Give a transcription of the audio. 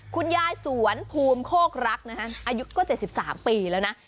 คุณยายสวนภูมิโคกรักนะฮะอายุก็๗๓ปีแล้วนะ